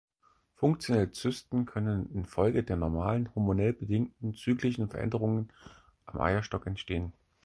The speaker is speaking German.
Funktionelle Zysten können infolge der normalen, hormonell bedingten, zyklischen Veränderungen am Eierstock entstehen.